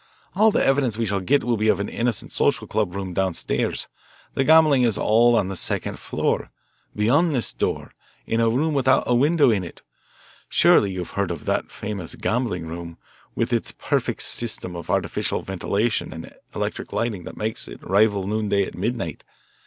All the evidence we shall get will be of an innocent social club room downstairs. The gambling is all on the second floor, beyond this door, in a room without a window in it. Surely you've heard of that famous gambling room, with its perfect system of artificial ventilation and electric lighting that makes it rival noonday at midnight.